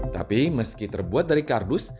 tapi meski terbuat dari kardus